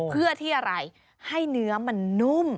เพื่อที่อะไรให้เนื้อมันนุ่ม